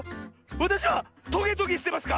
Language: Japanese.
わたしはトゲトゲしてますか？